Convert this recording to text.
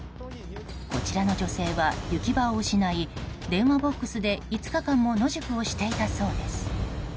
こちらの女性は行き場を失い電話ボックスで５日間も野宿をしていたそうです。